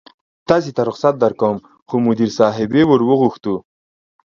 تاسې ته رخصت درکوم، خو مدیر صاحبې ور وغوښتو.